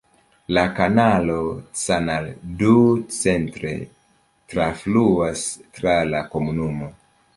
La kanalo Canal du Centre trafluas tra la komunumo.